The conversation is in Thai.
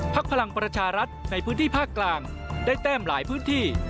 พลังประชารัฐในพื้นที่ภาคกลางได้แต้มหลายพื้นที่